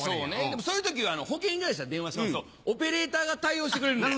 でもそういう時は保険会社に電話しますとオペレーターが対応してくれるんで。